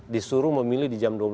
disuruh memilih di jam dua belas